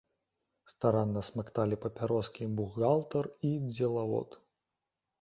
Старанна смакталі папяроскі бухгалтар і дзелавод.